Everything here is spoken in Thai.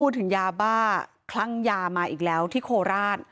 ถึงยาบ้าคลั่งยามาอีกแล้วที่โคราช